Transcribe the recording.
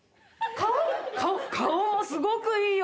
顔顔もすごくいいよ。